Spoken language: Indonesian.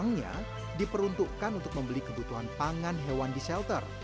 uangnya diperuntukkan untuk membeli kebutuhan pangan hewan di shelter